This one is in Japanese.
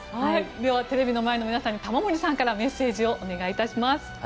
ではテレビの前の皆さんに玉森さんからメッセージをお願いします。